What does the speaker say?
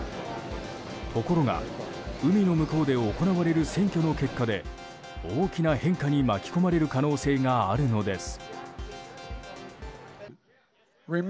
ところが、海の向こうで行われる選挙の結果で大きな変化に巻き込まれる可能性があるのです。